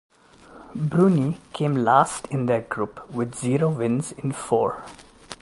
Brunei came last in their group with zero wins in four.